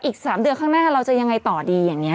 อีก๓เดือนข้างหน้าเราจะยังไงต่อดีอย่างนี้